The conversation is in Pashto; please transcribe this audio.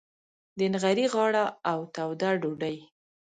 د نغري غاړه او توده ډوډۍ.